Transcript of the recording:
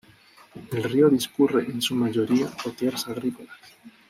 El río discurre en su mayoría por tierras agrícolas.